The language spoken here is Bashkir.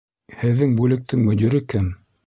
Һеҙҙең бүлектең мөдире кем?